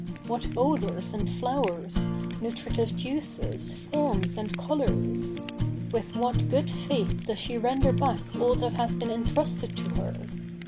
What odors and flowers, nutritive juices, forms and colors! With what good faith does she render back all that has been entrusted to her!